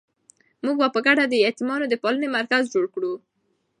موږ به په ګډه د یتیمانو د پالنې مرکز جوړ کړو.